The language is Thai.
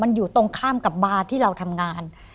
มันอยู่ตรงข้ามกับบาร์ที่เราทำงาน